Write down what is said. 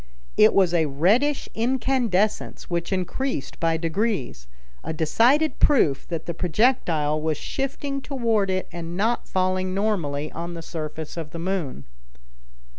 It was a reddish incandescence which increased by degrees, a decided proof that the projectile was shifting toward it and not falling normally on the surface of the moon.